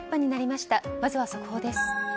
まずは速報です。